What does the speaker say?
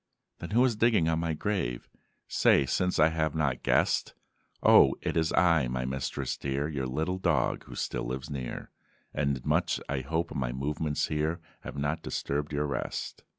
"Then, who is digging on my grave? Say since I have not guessed!" "O it is I, my mistress dear, Your little dog , who still lives near, And much I hope my movements here Have not disturbed your rest?"